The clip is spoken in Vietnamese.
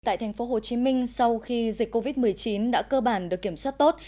tại thành phố hồ chí minh sau khi dịch covid một mươi chín đã cơ bản được kiểm soát tốt